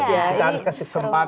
kita harus kasih kesempatan